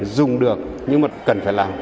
dùng được nhưng mà cần phải làm